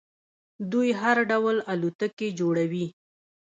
دوی هر ډول الوتکې جوړوي.